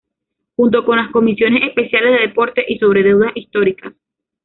Junto con las comisiones especiales de Deportes; y sobre Deudas Históricas.